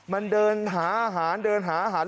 มันเดินหาอาหารเดินหาอาหาร